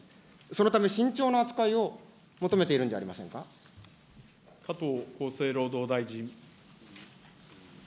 そのため、慎重な扱いを求めてい加藤厚生労働大臣。